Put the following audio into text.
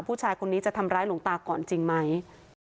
ผู้ชายคนนี้จะทำร้ายหลวงตาก่อนจริงไหม